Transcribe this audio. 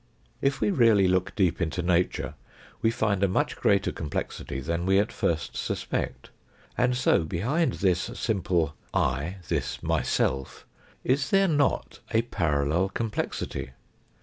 If we really look deep into nature, we find a much greater complexity than we at first suspect. And so behind this simple " I," this myself, is there not a parallel complexity